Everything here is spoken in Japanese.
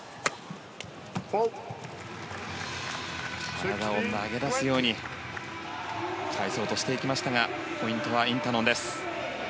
体を投げ出すように返そうとしていきましたがポイントはインタノンです。